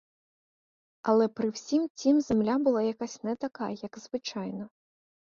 Але при всім тім земля була якась не така, як звичайно.